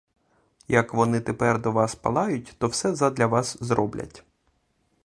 Як вони тепер до вас палають, то все задля вас зроблять!